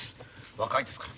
若いですから。